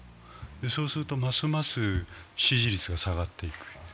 そうするとますます支持率が下がっていく。